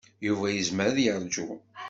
Yuba yezmer ad yeṛju.